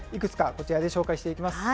こちらで紹介していきます。